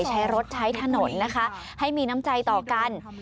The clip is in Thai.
ใช้รถใช้ถนนนะคะให้มีน้ำใจต่อกัน